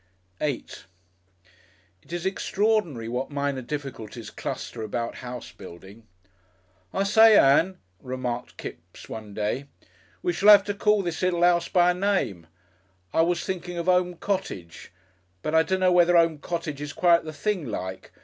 §8 It is extraordinary what minor difficulties cluster about house building. "I say, Ann," remarked Kipps one day, "we shall 'ave to call this little 'ouse by a name. I was thinking of 'Ome Cottage. But I dunno whether 'Ome Cottage is quite the thing like.